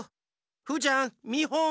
フーちゃんみほん。